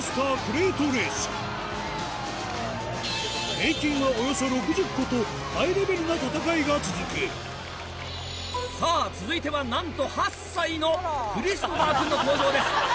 平均はおよそ６０個とハイレベルな戦いが続くさぁ続いてはなんと８歳のクリストファーくんの登場です。